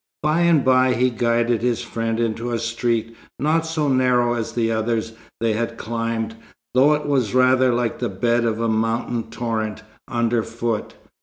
By and by he guided his friend into a street not so narrow as the others they had climbed, though it was rather like the bed of a mountain torrent, underfoot.